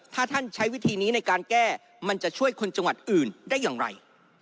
ถ้าท่านใช้วิธีนี้ในการแก้มันจะช่วยคนจังหวัดอื่นได้อย่างไร